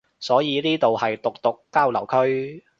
所以呢度係毒毒交流區